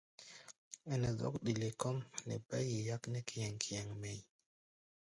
Ɛnɛ zɔ́k ɗele kɔ́ʼm nɛ bá yi yáknɛ́ kíéŋ-kíéŋ mɛʼí̧.